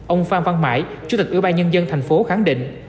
ông phan văn mãi chủ tịch ủy ban nhân dân thành phố khẳng định